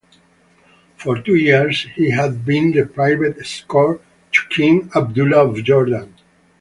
For two years, he had been the private escort to King Abdullah of Jordan.